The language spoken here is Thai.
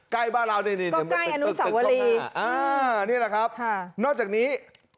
ใกล้บ้านเราใกล้อันุสวรีอ่านี่แหละครับค่ะนอกจากนี้